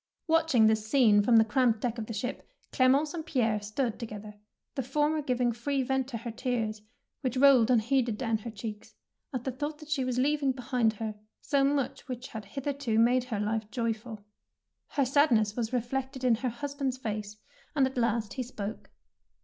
Watching this scene from the cramped deck of the ship, Clemence and Pierre stood together, the former giving free vent to her tears, which rolled unheeded down her cheeks at the thought that she was leaving be 149 DEEDS OF DABING hind her so much which had hitherto made her life joyful. Her sadness was reflected in her husband's face, and at last he spoke.